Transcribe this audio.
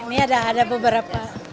ini ada beberapa